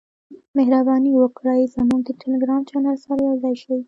مهرباني وکړئ زموږ د ټیلیګرام چینل سره یوځای شئ .